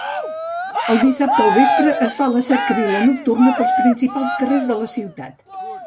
El dissabte al vespre es fa la cercavila nocturna pels principals carrers de la ciutat.